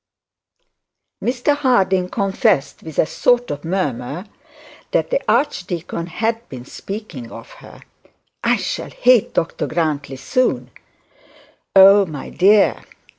Mr Harding confessed with a sort of murmur that the archdeacon had been speaking of her. 'I shall hate Dr Grantly soon ' 'Oh, my dear!'